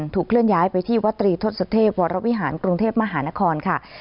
เคลื่อนย้ายไปที่วัตรีทศเทพวรวิหารกรุงเทพมหานครค่ะ